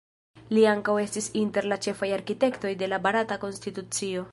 Li ankaŭ estis inter la ĉefaj arkitektoj de la Barata konstitucio.